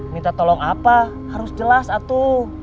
minta tolong apa harus jelas atu